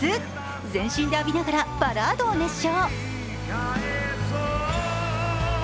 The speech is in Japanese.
全身で浴びながらバラードを熱唱。